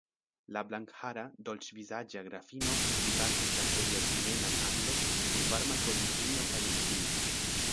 La blankhara, dolĉvizaĝa grafino rigardis la seriozmienan anglon kun varma korinklino kaj ekkriis: